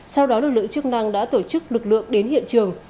sau đó lực lượng chức năng đã tổ chức lực lượng đến hiện trường